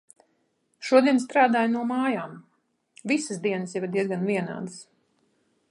Šodien strādāju no mājām. Visas dienas jau ir diezgan vienādas.